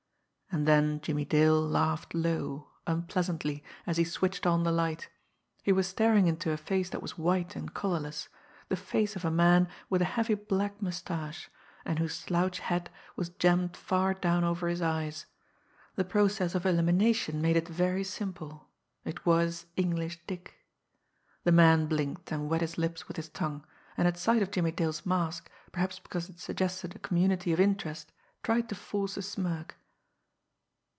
And then Jimmie Dale laughed low, unpleasantly, as he switched on the light. He was staring into a face that was white and colourless the face of a man with a heavy black moustache, and whose slouch hat was jammed far down over his eyes. The process of elimination made it very simple it was English Dick. The man blinked, and wet his lips with his tongue, and at sight of Jimmie Dale's mask, perhaps because it suggested a community of interest, tried to force a smirk.